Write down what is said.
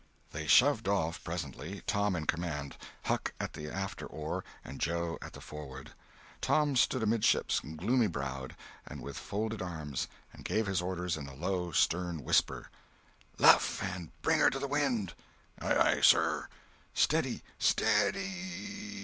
They shoved off, presently, Tom in command, Huck at the after oar and Joe at the forward. Tom stood amidships, gloomy browed, and with folded arms, and gave his orders in a low, stern whisper: "Luff, and bring her to the wind!" "Aye aye, sir!" "Steady, steady y y y!"